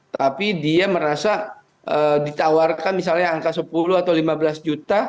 tapi dia merasa ditawarkan misalnya angka sepuluh atau lima belas juta